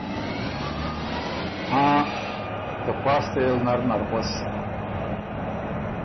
هاں ته پاستئ ل نر نر غؤس